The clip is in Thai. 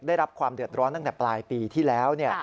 ได้รับความเดือดร้อนตั้งแต่ปลายปีที่แล้ว